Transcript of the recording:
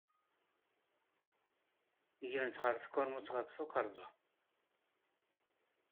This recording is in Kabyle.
Gren-t ɣer tkurmut ɣef tukerḍa.